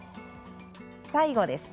最後です。